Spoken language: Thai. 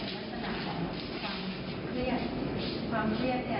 เขามีสุขภาพเท่ากินที่เป็นโรคซึมเศร้าอยู่นะคะ